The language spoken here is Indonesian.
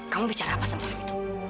kamu bicara apa sama aku